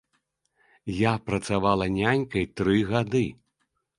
Я працавала нянькай тры гады.